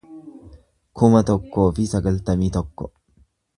kuma tokkoo fi sagaltamii tokko